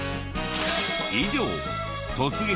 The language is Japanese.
以上突撃！！